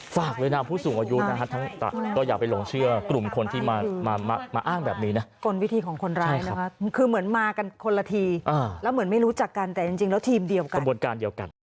ฝากเลยนะผู้สูงอายุนะฮะ